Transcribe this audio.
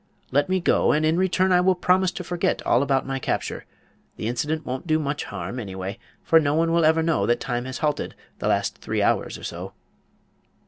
Let me go, and in return I will promise to forget all about my capture. The incident won't do much harm, anyway, for no one will ever know that Time has halted the last three hours or so."